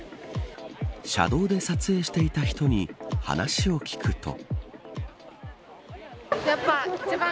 車道で撮影していた人に話を聞くと。